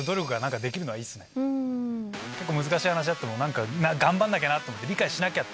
結構難しい話あっても頑張んなきゃなと思って。